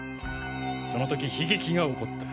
そのとき悲劇が起こった。